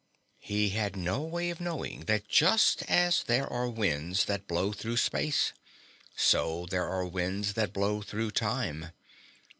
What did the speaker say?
He had no way of knowing that just as there are winds that blow through space, so there are winds that blow through time.